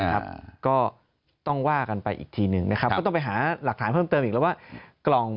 ก็ต้องว่ากันไปอีกทีหนึ่งนะครับก็ต้องไปหาหลักฐานเพิ่มเติมอีกแล้วว่ากล่อง